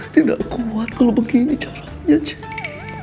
tidak kuat kalau begini caranya juga